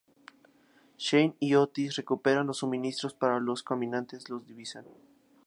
Shane y Otis recuperan los suministros, pero los caminantes los divisan.